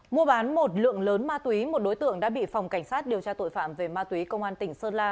mua bán một lượng lớn ma túy một đối tượng đã bị phòng cảnh sát điều tra tội phạm về ma túy công an tỉnh sơn la